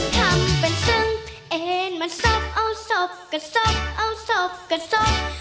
ทำเป็นซึ้งเอ็นมันสบเอาสบกระสบเอาสบกระสบ